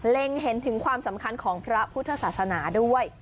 เห็นถึงความสำคัญของพระพุทธศาสนาด้วย